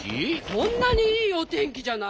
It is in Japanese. こんなにいいおてんきじゃないの。